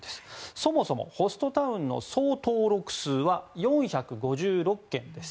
そもそも、ホストタウンの総登録数は４５６件です。